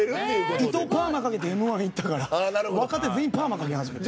伊藤、パーマかけて「Ｍ‐１」いったから若手全員パーマかけ始めて。